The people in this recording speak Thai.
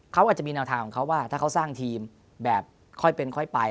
เขาอาจจะมีแนวทางของเขาว่าถ้าเขาสร้างทีมแบบค่อยเป็นค่อยไป